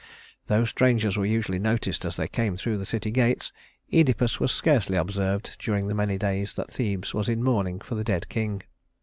Though strangers were usually noticed as they came through the city gates, Œdipus was scarcely observed during the many days that Thebes was in mourning for the dead king.